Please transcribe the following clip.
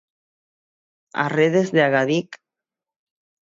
¿As redes da Agadic?